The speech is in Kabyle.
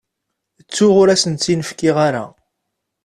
Ttuɣ, ur asen-tt-in-fkiɣ ara.